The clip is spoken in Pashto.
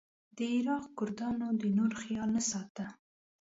د عراق کردانو د نورو خیال نه ساته.